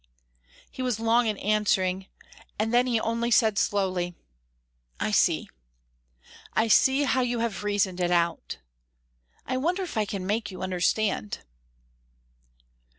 He was long in answering, and then he only said, slowly: "I see. I see how you have reasoned it out. I wonder if I can make you understand?"